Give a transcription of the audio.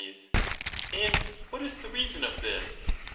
And what is the reason of this?